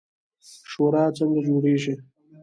شورا څنګه جوړیږي؟